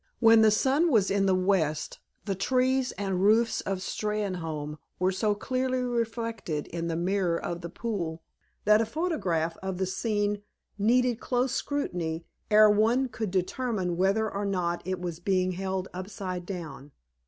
When the sun was in the west the trees and roofs of Steynholme were so clearly reflected in the mirror of the pool that a photograph of the scene needed close scrutiny ere one could determine whether or not it was being held upside down.